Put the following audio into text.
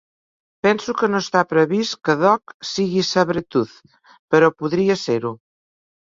Penso que no està previst que Dog sigui Sabretooth, però podria ser-ho.